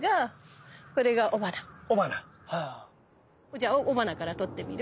じゃあ雄花から撮ってみる？